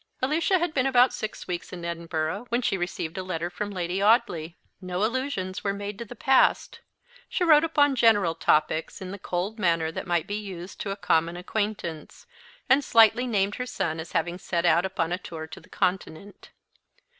Alicia had been about six weeks in Edinburgh when she received a letter from Lady Audley. No allusions were made to the past; she wrote upon general topics, in the cold manner that might be used to a common acquaintance; and slightly named her son as having set out upon a tour to the Continent.